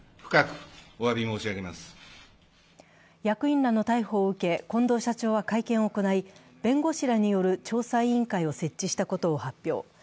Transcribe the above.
役員らの逮捕を受け近藤社長は会見を行い弁護士らによる調査委員会を設置したことを発表。